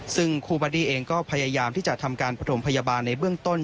ซึ่งครูบาดี้เองก็พยายามที่จะทำการประถมพยาบาลในเบื้องต้น